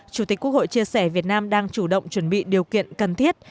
chủ tịch quốc hội chia sẻ việt nam đang chủ động chuẩn bị điều kiện cần thiết